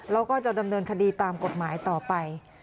แล้วก็จะดำเนินคดีตามกฎหมายต่อไป